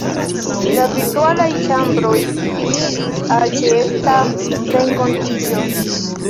La virtualaj ĉambroj similis al ĉeesta renkontiĝo.